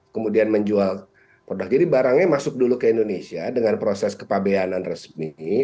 kemudian menjual produk jadi barangnya masuk dulu ke indonesia dengan proses kepabeanan resmi